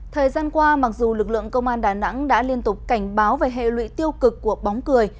thời gian qua mặc dù lực lượng công an đà nẵng đã liên tục cảnh báo về hệ lụy tiêu cực của bóng cười